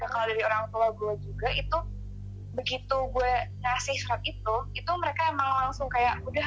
karena kalau dari orang tua gue juga itu begitu gue kasih surat itu itu mereka emang langsung kayak